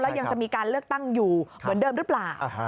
ยังจะมีการเลือกตั้งอยู่เหมือนเดิมหรือเปล่า